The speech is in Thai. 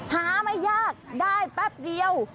หาไม่ยากได้แป๊บเดียว